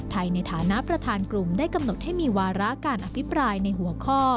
ในฐานะประธานกลุ่มได้กำหนดให้มีวาระการอภิปรายในหัวข้อ